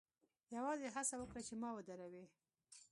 یوازې هڅه وکړه چې ما ودروې